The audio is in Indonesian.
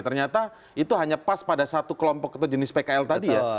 ternyata itu hanya pas pada satu kelompok atau jenis pkl tadi ya